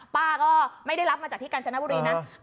ป้าก็ไม่ได้รับมาจากที่กาญจนบุรีนะ